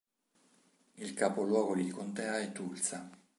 Il capoluogo di contea è Tulsa.